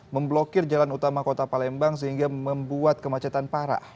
memblokir jalan utama kota palembang sehingga membuat kemacetan parah